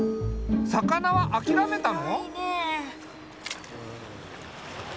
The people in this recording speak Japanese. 魚は諦めたの？